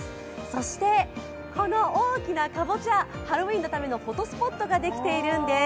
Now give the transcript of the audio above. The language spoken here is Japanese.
そして、この大きなかぼちゃハロウィーンのためのフォトスポットができているんです。